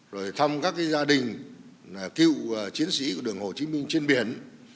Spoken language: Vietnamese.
rồi thăm các gia đình cựu chiến sĩ của đường hồ chí minh trên biển